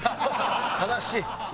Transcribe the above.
悲しい。